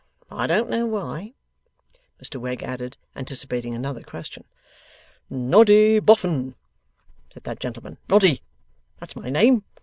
I don't know why,' Mr Wegg added, anticipating another question. 'Noddy Boffin,' said that gentleman. 'Noddy. That's my name.